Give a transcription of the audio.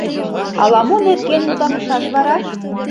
— Ала-мо нерген мутланышаш вара?